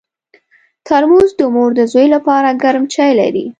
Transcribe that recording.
ترموز د مور د زوی لپاره ګرم چای لري.